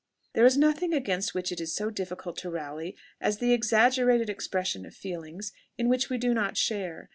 There is nothing against which it is so difficult to rally, as the exaggerated expression of feelings in which we do not share.